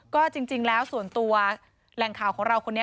ก็จริงแล้วส่วนตัวแหล่งข่าวของเราคนนี้